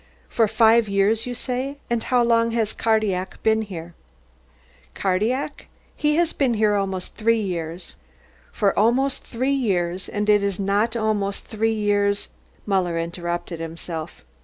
"For five years, you say? And how long has Cardillac been here?" "Cardillac? He has been here for almost three years." "For almost three years, and is it not almost three years " Muller interrupted himself.